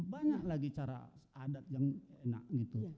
banyak lagi cara adat yang enak gitu